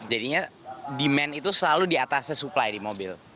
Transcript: jadinya demand itu selalu di atasnya supply di mobil